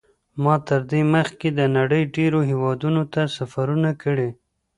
ما تر دې مخکې د نړۍ ډېرو هېوادونو ته سفرونه کړي.